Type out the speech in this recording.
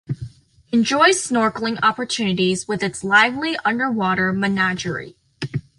Enjoy snorkeling opportunities with its lively underwater menagerie.